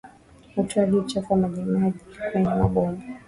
Utoaji uchafu wa majimaji kwenye maboma